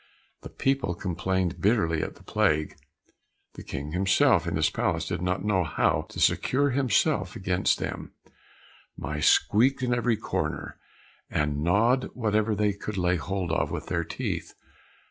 The people complained bitterly of the plague; the King himself in his palace did not know how to secure himself against them; mice squeaked in every corner, and gnawed whatever they could lay hold of with their teeth.